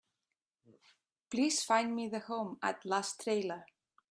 Please find me the Home at Last trailer.